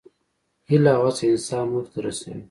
هیله او هڅه انسان موخې ته رسوي.